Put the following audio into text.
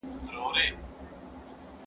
تاسي تل د خپلي سیمي او کور صفايي کوئ.